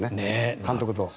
監督と。